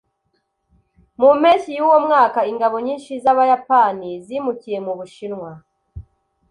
Mu mpeshyi yuwo mwaka, ingabo nyinshi z’Abayapani zimukiye mu Bushinwa. )